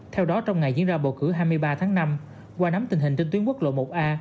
theo đó trong ngày diễn ra bầu cử hai mươi ba tháng năm qua nắm tình hình trên tuyến quốc lộ một a